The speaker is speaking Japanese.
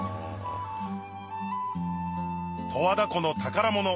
十和田湖の宝物